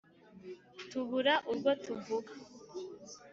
Tubura urwo tuvuga